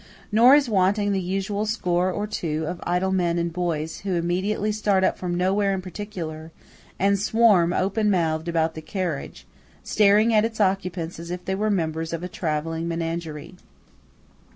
Nor is wanting the usual score or two of idle men and boys who immediately start up from nowhere in particular, and swarm, open mouthed, about the carriage, staring at its occupants as if they were members of a travelling menagerie.